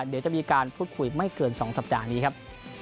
เดี๋ยวจะมีการพูดคุยไม่เกิน๒สัปดาห์นี้ครับ